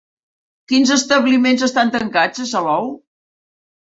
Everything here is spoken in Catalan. Quins establiments estan tancats a Salou?